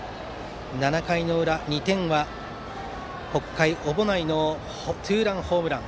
７回裏、２点は北海の小保内のツーランホームラン。